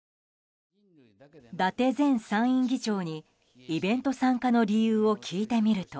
伊達前参院議長にイベント参加の理由を聞いてみると。